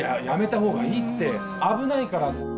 やめた方がいいって危ないから。